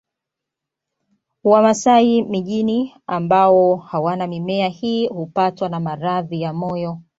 Wamasai mijini ambao hawana mimea hii hupatwa na maradhi ya moyo